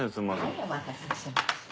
はいお待たせしました。